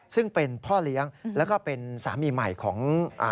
ซึ่งเป็นพ่อเลี้ยงแล้วก็เป็นสามีใหม่ของ